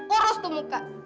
oros tuh muka